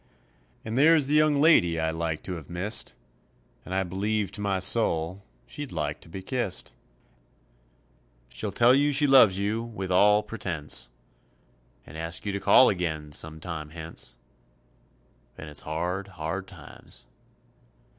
And there's the young lady I like to have missed, And I believe to my soul she'd like to be kissed; She'll tell you she loves you with all pretence And ask you to call again some time hence, And it's hard, hard times.